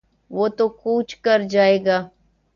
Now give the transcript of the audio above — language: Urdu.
تو وہ کوچ کر جائے گا۔